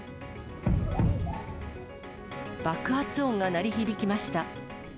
爆発音が鳴り響きました。